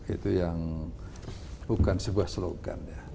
itu yang bukan sebuah slogan ya